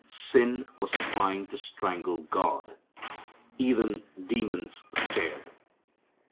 Sin was trying to strangle God. Even demons stared.